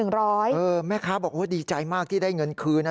แม่ค้าบอกว่าดีใจมากที่ได้เงินคืนนะ